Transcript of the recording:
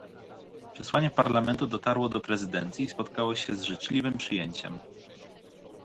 Przesłanie Parlamentu dotarło do prezydencji i spotkało się z życzliwym przyjęciem